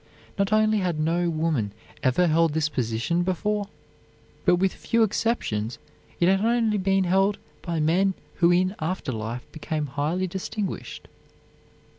Not only had no woman ever held this position before, but with few exceptions it had only been held by men who in after life became highly distinguished.